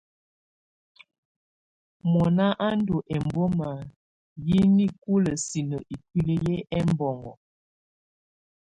Mɔna á ndù ɛmbɔma yǝ nikulǝ sinǝ ikuili yɛ ɛbɔŋɔ.